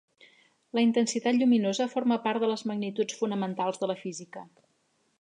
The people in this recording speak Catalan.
La intensitat lluminosa forma part de les magnituds fonamentals de la física.